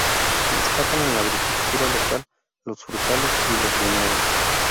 Destacan en la agricultura local los frutales y los viñedos.